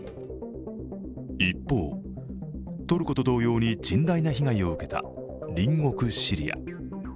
一方、トルコと同様に甚大な被害を受けた隣国シリア。